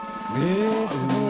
ええすごい！